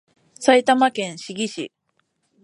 埼玉県志木市